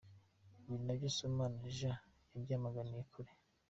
Ibi nabyo Sibomana Jean yabyamaganiye kure.